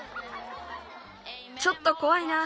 ちょっとこわいな。